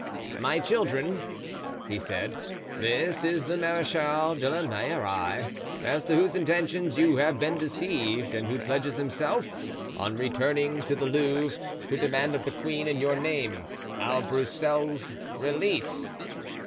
"My children," he said, "this is the Marechal de la Meilleraie, as to whose intentions you have been deceived and who pledges himself, on returning to the Louvre, to demand of the queen, in your name, our Broussel's release.